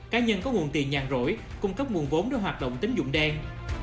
cá nhân có nguồn tiền nhàn rỗi cung cấp nguồn vốn để hoạt động tính dụng đen